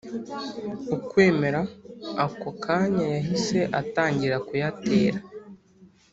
ukwemera, ako kanya yahise atangira kuyatera